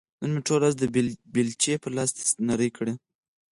نن مې ټوله ورځ د بېلچې لاستي نري کړ.